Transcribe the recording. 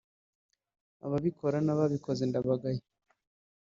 ababikora n’ababikoze ndabagaye